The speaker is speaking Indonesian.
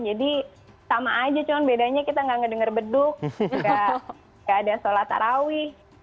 jadi sama aja cuman bedanya kita nggak ngedenger beduk nggak ada sholat arawi